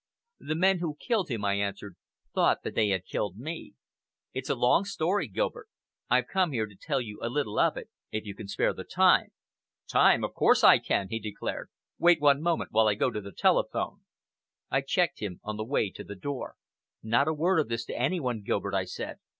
"The men who killed him," I answered, "thought that they had killed me. It's a long story, Gilbert. I've come here to tell you a little of it, if you can spare the time." "Time! Of course I can," he declared. "Wait one moment while I go to the telephone." I checked him on the way to the door. "Not a word of this to any one, Gilbert," I said.